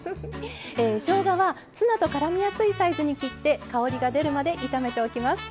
しょうがはツナとからみやすいサイズに切って香りが出るまで炒めておきます。